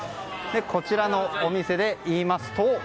こちらのお店でいいますと。